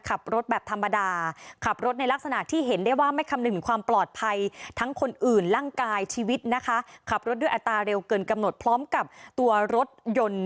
ขับรถแบบธรรมดาขับรถในลักษณะที่เห็นได้ว่าไม่คำนึงถึงความปลอดภัยทั้งคนอื่นร่างกายชีวิตนะคะขับรถด้วยอัตราเร็วเกินกำหนดพร้อมกับตัวรถยนต์